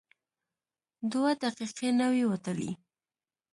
دوه دقیقې نه وې وتلې.